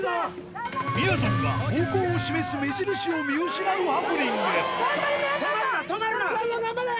みやぞんが方向を示す目印を見失うハプニング止まるな止まるな！